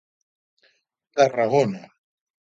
Tarragona.